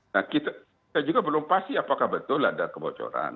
nah kita juga belum pasti apakah betul ada kebocoran